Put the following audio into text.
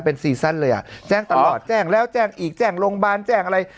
เป็นซีซั่นเลยอ่ะแจ้งตลอดแจ้งแล้วแจ้งอีกแจ้งโรงพยาบาลแจ้งอะไร